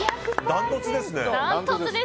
ダントツですね。